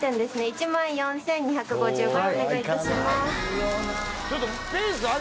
１万４，２５５円お願いいたします。